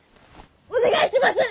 お願いします！